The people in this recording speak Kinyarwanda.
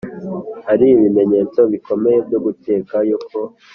Hari ibimenyetso bikomeye byo gukeka ko